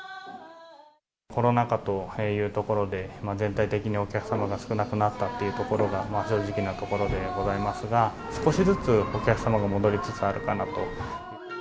コロナ禍というところで、全体的にお客様が少なくなったというところが正直なところでございますが、少しずつお客様が戻りつつあるかなと。